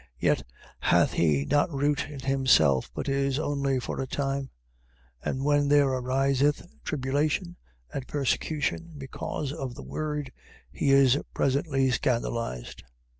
13:21. Yet hath he not root in himself, but is only for a time: and when there ariseth tribulation and persecution because of the word, he is presently scandalized.